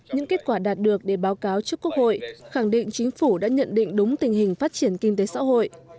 những kết quả đạt được để báo cáo trước quốc hội khẳng định chính phủ đã nhận định đúng tình hình phát triển kinh tế xã hội